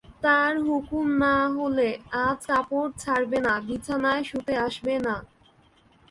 তাঁর হুকুম না হলে আজ কাপড় ছাড়বে না, বিছানায় শুতে আসবে না!